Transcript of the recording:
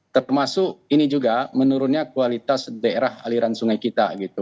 termasuk ini juga menurunnya kualitas daerah aliran sungai kita gitu